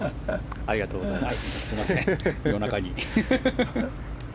ありがとうございます。